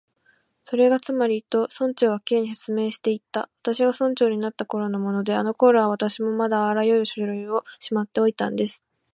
「それがつまり」と、村長は Ｋ に説明していった「私が村長になったころのもので、あのころは私もまだあらゆる書類をしまっておいたんです」